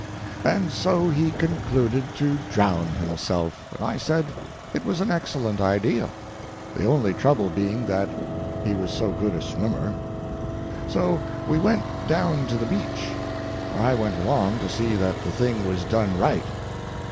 And so he concluded to drown himself, and I said it was an excellent idea—the only trouble being that he was so good a swimmer. So we went down to the beach. I went along to see that the thing was done right.